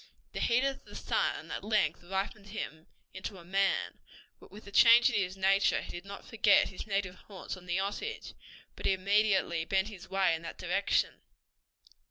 The heat of the sun at length ripened him into a man, but with the change in his nature he did not forget his native haunts on the Osage, but immediately bent his way in that direction.